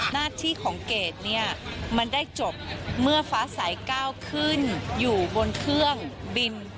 หน้าที่ของเกรดเนี่ยมันได้จบเมื่อฟ้าสายก้าวขึ้นอยู่บนเครื่องบิน